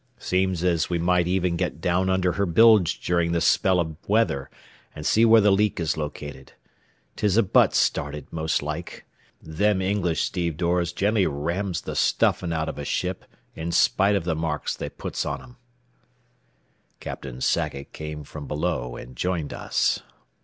Seems as we might even get down under her bilge durin' this spell av weather, an' see where th' leak is located. 'Tis a butt started, most like. Them English stevedores generally rams th' stuffin' out av a ship in spite av th' marks they puts on 'em." Captain Sackett came from below and joined us.